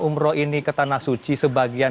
umroh ini ke tanah suci sebagian